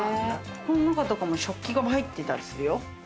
ここの中とかも食器が入ってたりするよ。